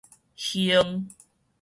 亨